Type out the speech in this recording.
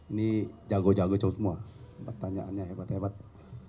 ini jago jago semua pertanyaannya hebat hebat